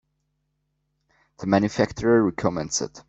The manufacturer recommends it.